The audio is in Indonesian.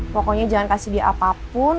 pokoknya jangan kasih dia apapun